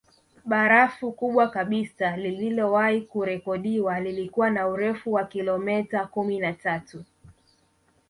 Barafu kubwa kabisa lililowahi kurekodiwa lilikuwa na urefu wa kilometa kumi na tatu